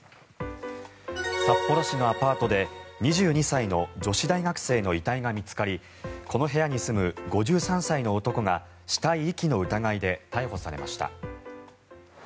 札幌市のアパートで２２歳の女子大学生の遺体が見つかりこの部屋に住む５３歳の男が死体遺棄の疑いで逮捕されました。